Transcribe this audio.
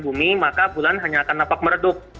bumi maka bulan hanya akan nampak meredup